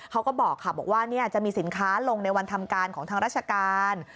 เขาก็บอกค่ะบอกว่าจะมีสินค้าลงในวันทำการของทางราชการ